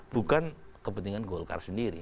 bukan kepentingan golkar sendiri